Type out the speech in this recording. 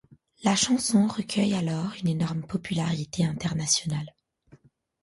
La chanson recueille alors une énorme popularité internationale.